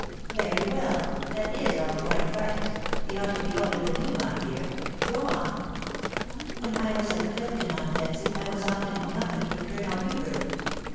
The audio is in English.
u Very well, that is all quite right ; he ought to be older than you, my dear .... Go on." " When I was at Clifton, aunt Betsy, I was often in com pany with Colonel Hubert ••